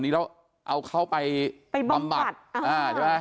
เราอาเขาไปทำบัตร